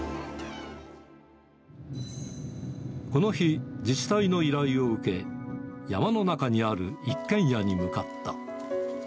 この日、自治体の依頼を受け、山の中にある一軒家に向かった。